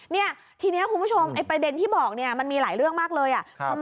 เนี่ยทีนี้คุณผู้ชมประเด็นที่บอกมันมีหลายเรื่องมากเลย